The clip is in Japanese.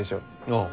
ああ。